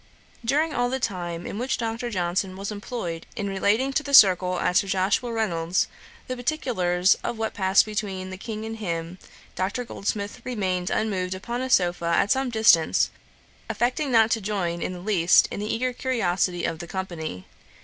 During all the time in which Dr. Johnson was employed in relating to the circle at Sir Joshua Reynolds's the particulars of what passed between the King and him, Dr. Goldsmith remained unmoved upon a sopha at some distance, affecting not to join in the least in the eager curiosity of the company.